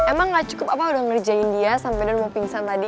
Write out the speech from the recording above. gini emang gak cukup apa udah ngerjain dia sampe dia mau pingsan tadi